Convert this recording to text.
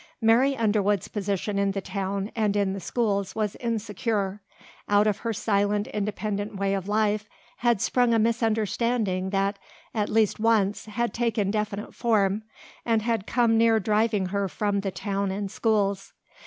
Mary Underwood's position in the town and in the schools was insecure. Out of her silent, independent way of life had sprung a misunderstanding that, at least once, had taken definite form and had come near driving her from the town and schools.